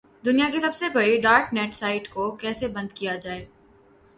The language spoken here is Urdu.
دنیا کی سب سے بڑی ڈارک نیٹ سائٹ کو کیسے بند کیا گیا؟